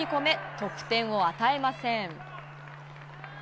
得点を与えません。